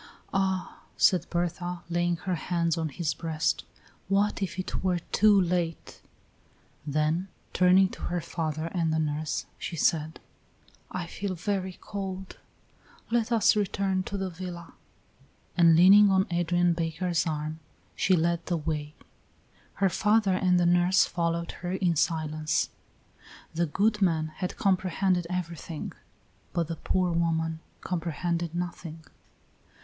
"Ah," said Berta, laying her hands on his breast, "what if it were too late!" Then, turning to her father and the nurse, she said: "I feel very cold; let us return to the villa;" and leaning on Adrian Baker's arm, she led the way. Her father and the nurse followed her in silence. The good man had comprehended everything, but the poor woman comprehended nothing.